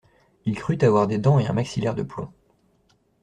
Il crut avoir des dents et un maxillaire de plomb.